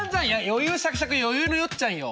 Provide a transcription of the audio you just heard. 余裕しゃくしゃく余裕のよっちゃんよ。